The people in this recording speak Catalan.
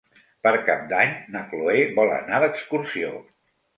Per Cap d'Any na Cloè vol anar d'excursió.